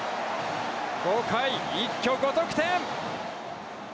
５回、一挙５得点！